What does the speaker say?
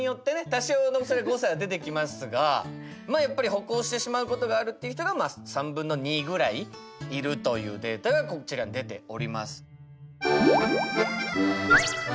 多少の誤差は出てきますがまあやっぱり歩行してしまうことがあるっていう人が３分の２ぐらいいるというデータがこちらに出ております。